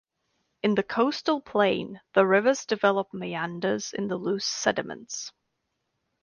In the coastal plain the rivers develop meanders in the loose sediments.